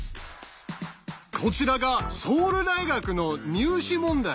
こちらがソウル大学の入試問題。